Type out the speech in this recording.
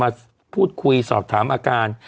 มาพูดคุยสอบถามอาการ